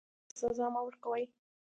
سپي ته سزا مه ورکوئ.